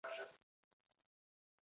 勒普利冈人口变化图示